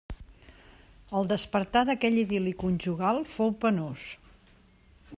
El despertar d'aquell idil·li conjugal fou penós.